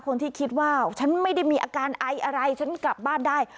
คนที่คิดว่าฉันไม่ได้มีอาการไออะไรฉันกลับบ้านได้